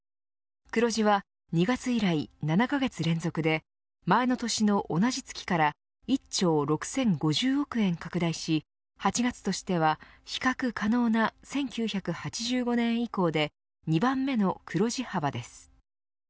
黒字は２月以来７カ月連続で前の年の同じ月から１兆６０５０億円拡大し８月としては比較可能な１９８５年以降で２番目の黒字幅です。